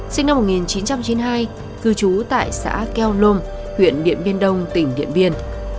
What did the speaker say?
sinh năm một nghìn chín trăm chín mươi hai cư trú tại xã keo lôm huyện điện biên đông tỉnh điện biên